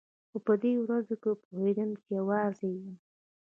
خو په دې ورځو کښې پوهېدم چې يوازې يم.